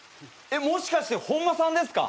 もしかして本間さんですか？